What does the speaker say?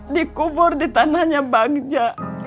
dikubur di tanahnya bagja